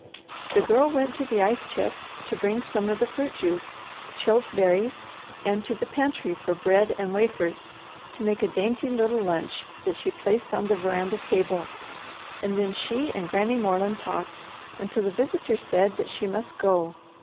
The Girl went to the ice chest to bring some of the fruit juice, chilled berries, and to the pantry for bread and wafers to make a dainty little lunch that she placed on the veranda table; and then she and Granny Moreland talked, until the visitor said that she must go.